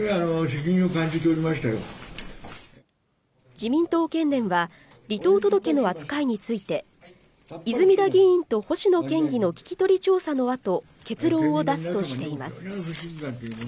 自民党県連は離党届の扱いについて、泉田議員と星野県議への聞き取り調査の後、結論を出すとしています。